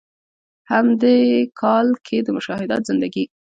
هم د ې کال کښې د“مشاهدات زندګي ”